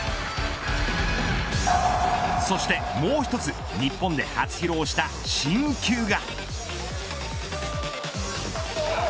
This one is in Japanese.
そしてもう一つ日本で初披露した新球が。